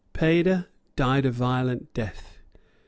Peada died a violent death.